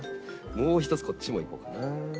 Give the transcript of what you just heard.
もう一つこっちもいこうかな。